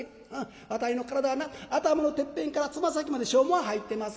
わたいの体はな頭のてっぺんから爪先まで証文入ってます。